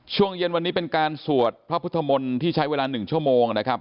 ช่วงเย็นวันนี้เป็นการสวดพระพุทธมนตร์ที่ใช้เวลา๑ชั่วโมงนะครับ